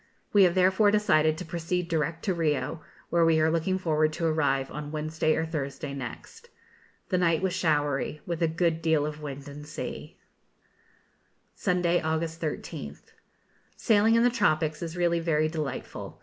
We have therefore decided to proceed direct to Rio, where we are looking forward to arrive on Wednesday or Thursday next. The night was showery, with a good deal of wind and sea. Sunday, August 13th. Sailing in the tropics is really very delightful!